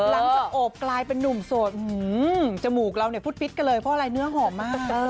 โอบกลายเป็นนุ่มโสดจมูกเราเนี่ยฟุตฟิตกันเลยเพราะอะไรเนื้อหอมมาก